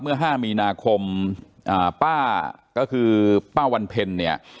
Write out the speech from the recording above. เมื่อห้ามีนาคมอ่าป้าก็คือป้าวันเพ็ญเนี้ย